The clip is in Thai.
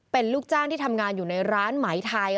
เป็นลูกจ้างที่ทำงานอยู่ในร้านไหมไทย